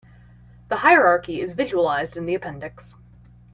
The hierarchy is visualized in the appendix.